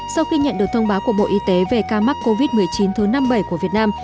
sau khi nhận được thông báo của bộ y tế về ca mắc covid một mươi chín thứ năm mươi bảy của việt nam